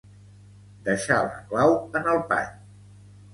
Deixar la clau en el pany.